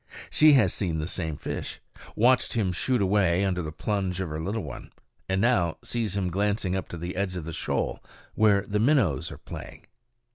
She has seen the same fish, watched him shoot away under the plunge of her little one, and now sees him glancing up to the edge of the shoal where the minnows are playing.